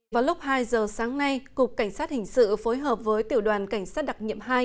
vào lúc hai giờ sáng nay cục cảnh sát hình sự phối hợp với tiểu đoàn cảnh sát đặc nhiệm hai